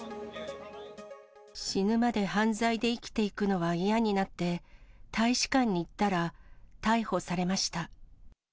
死ぬまで犯罪で生きていくのは嫌になって、大使館に行ったら逮捕されました。